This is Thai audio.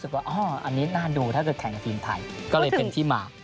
ก็ไม่ดูแล้วไม่สนุก